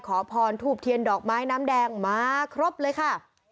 ขอพรทูบเทียนดอกไม้น้ำแดงมาครบเลยค่ะ